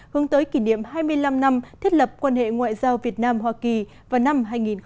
hướng tới kỷ niệm hai mươi năm năm thiết lập quan hệ ngoại giao việt nam hoa kỳ vào năm hai nghìn hai mươi